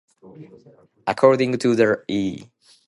According to the E!